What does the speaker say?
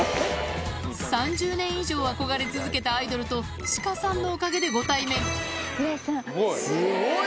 ３０年以上憧れ続けたアイドルとシカさんのおかげでご対面